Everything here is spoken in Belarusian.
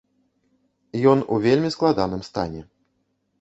Ён у вельмі складаным стане.